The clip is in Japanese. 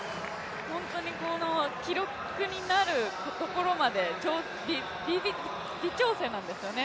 本当に記録になるところまで微調整なんですよね。